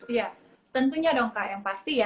iya tentunya dong kak yang pasti ya